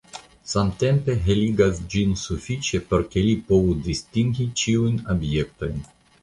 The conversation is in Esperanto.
Samtempe heligas ĝin sufiĉe, por ke li povu distingi ĉiujn objektojn.